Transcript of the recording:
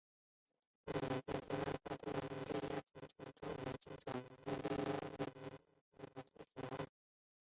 翁牛特左旗扎萨克多罗杜棱郡王为清朝内扎萨克蒙古翁牛特左旗的世袭扎萨克多罗郡王。